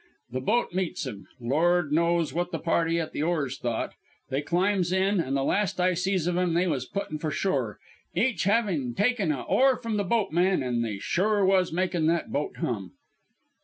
The boat meets 'em Lord knows what the party at the oars thought they climbs in an' the last I sees of 'em they was puttin' for shore each havin' taken a oar from the boatman, an' they sure was makin' that boat hum.